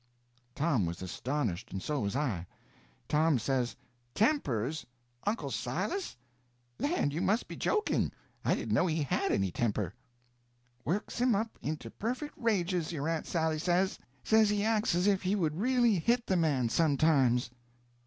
Tom was astonished, and so was I. Tom says: "Tempers? Uncle Silas? Land, you must be joking! I didn't know he had any temper." "Works him up into perfect rages, your aunt Sally says; says he acts as if he would really hit the man, sometimes."